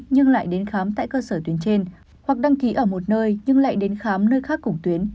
nhưng lại đến khám tại cơ sở tuyến trên hoặc đăng ký ở một nơi nhưng lại đến khám nơi khác cùng tuyến